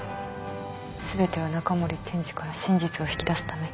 全ては中森検事から真実を引き出すために。